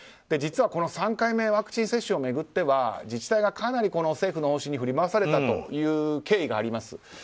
実は３回目ワクチン接種を巡っては自治体がかなり政府の方針に振り回された経緯があります。